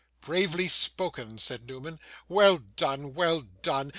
'Bravely spoken!' said Newman. 'Well done, well done!